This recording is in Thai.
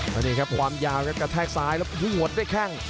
และนี่ครับความยาวกระแทกซ้ายแล้วยุ่งหมดได้แค่ง